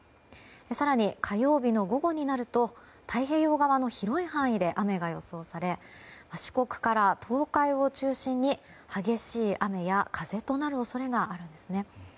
更に、火曜日の午後になると太平洋側の広い範囲で雨が予想され四国から東海を中心に激しい雨や風となる恐れがあるんですね。